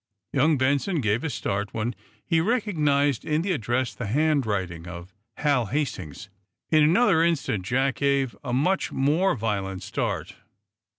Young Benson gave a start when he recognized, in the address, the handwriting of Hal Hastings. In another instant Jack gave a much more violent start.